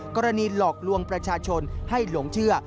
หลอกลวงประชาชนให้หลงเชื่อ